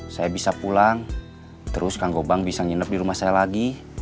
saya bisa pulang terus kang gobang bisa nginep di rumah saya lagi